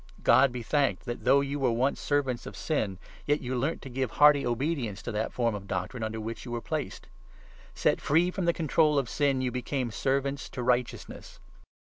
God be thanked 17 that, though you were once servants of Sin, yet you learnt to give hearty obedience to that form of doctrine under which you were placed. Set free from the control of Sin, you became 18 servants to Righteousness.